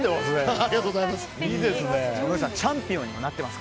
ありがとうございます。